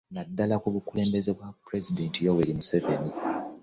Naddala ku bukulembeze bwa Pulezidenti Yoweri Museveni.